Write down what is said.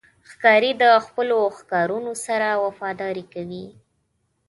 ښکاري د خپلو ښکارونو سره وفاداري کوي.